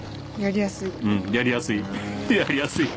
やりやすい。